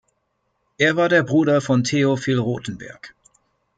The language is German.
Er war der Bruder von Theophil Rothenberg.